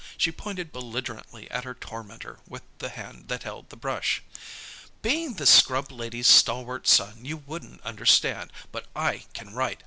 She pointed belligerently at her tormentor with the hand that held the brush. "Being the scrub lady's stalwart son, you wouldn't understand. But I can write.